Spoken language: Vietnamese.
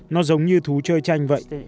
nó giống như thú chơi tranh vậy